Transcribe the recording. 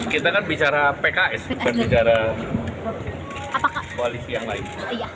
kita kan bicara pks bukan bicara koalisi yang lain